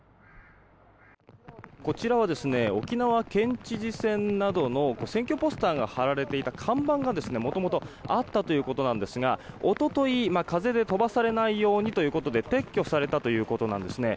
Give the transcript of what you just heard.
こちらは沖縄県知事選などの選挙ポスターが貼られていた看板がもともとあったということなんですが一昨日、風で飛ばされないようにということで撤去されたということなんですね。